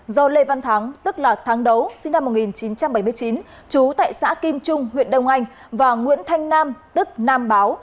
do lê văn thắng tức là tháng đấu sinh năm một nghìn chín trăm bảy mươi chín chú tại xã kim trung huyện đông anh và nguyễn thanh nam tức nam báo